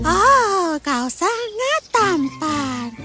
oh kau sangat tampan